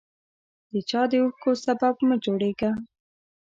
د چا د اوښکو سبب مه جوړیږه